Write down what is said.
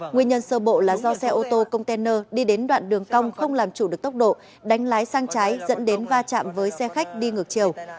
nguyên nhân sơ bộ là do xe ô tô container đi đến đoạn đường cong không làm chủ được tốc độ đánh lái sang trái dẫn đến va chạm với xe khách đi ngược chiều